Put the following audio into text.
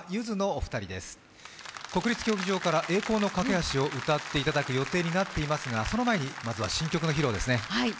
国立競技場から「栄光の架橋」を歌っていただく予定になっていますが、その前にまずは新曲の披露ですね。